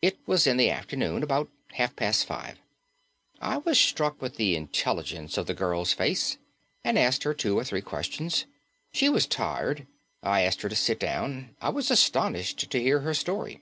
It was in the afternoon about half past five. I was struck with the intelligence of the girl's face and asked her two or three questions. She was tired. I asked her to sit down. I was astonished to hear her story.